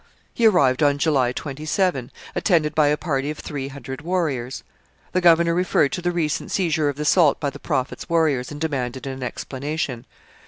He arrived on July 27, attended by a party of three hundred warriors. The governor referred to the recent seizure of the salt by the Prophet's warriors and demanded an explanation.